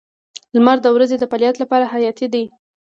• لمر د ورځې د فعالیت لپاره حیاتي دی.